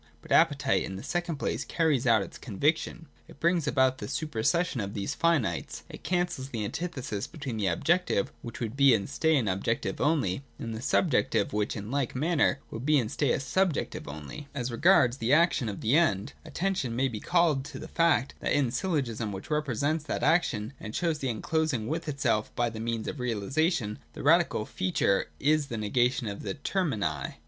But appetite in the second place carries out its conviction. It brings about the supersession of these finites : it cancels the antithesis between the objective which would be and stay an ob jective only, and the subjective which in like manner would be and stay a subjective only. As regards the action of the End, attention may be called to the fact, that in the syllogism, which represents 346 THE DOCTRINE OF THE NOTION. [204, 205. that action, and shows the end closing with itself by the means of realisation, the radical feature is the negation of the termini.